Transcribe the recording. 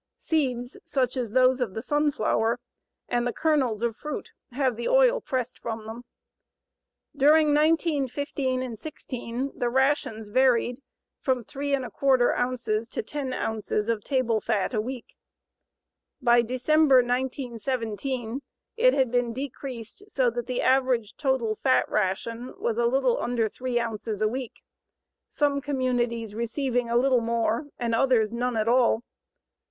Seeds, such as those of the sunflower, and the kernels of fruit have the oil pressed from them. During 1915 16 the rations varied from 3¼ ounces to 10 ounces of table fat a week. By December, 1917, it had been decreased, so that the average total fat ration was a little under 3 ounces a week, some communities receiving a little more, and others none at all.